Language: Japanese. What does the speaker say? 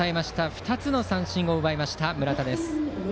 ２つの三振を奪った村田です。